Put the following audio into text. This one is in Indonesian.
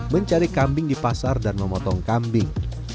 mencari kambing di pasar dan memotong kambing